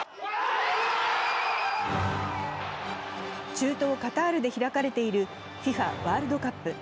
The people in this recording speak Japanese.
中東カタールで開かれているＦＩＦＡワールドカップ。